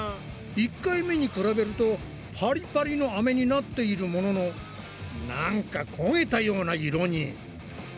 １回目に比べるとパリパリのアメになっているものの何かこげたような色に。